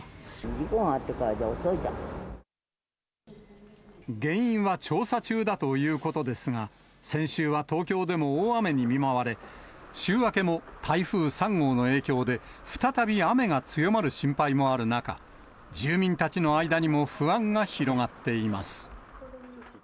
事故があってからじゃ遅いじ原因は調査中だということですが、先週は東京でも大雨に見舞われ、週明けも台風３号の影響で、再び雨が強まる心配もある中、住民たちの間にも不安が広がっています。